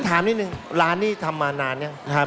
ผมถามนิดนึงร้านนี้ทำมานานหรือยัง